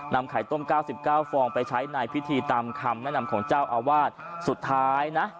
ไข่ต้ม๙๙ฟองไปใช้ในพิธีตามคำแนะนำของเจ้าอาวาสสุดท้ายนะ